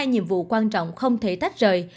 hai nhiệm vụ quan trọng không thể tách rời